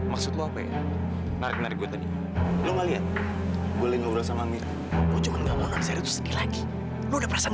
aku takut mereka berantem lagi deh